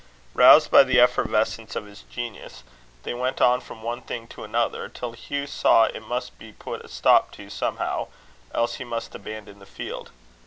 Roused by the effervescence of his genius, they went on from one thing to another, till Hugh saw it must be put a stop to somehow, else he must abandon the field.